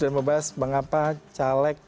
dan membahas mengapa caleg